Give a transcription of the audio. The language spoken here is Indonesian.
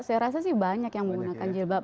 saya rasa sih banyak yang menggunakan jilbab